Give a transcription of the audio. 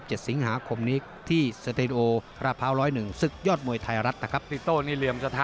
โห่แซ่บเลย